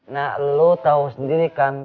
nah lu tau sendiri kan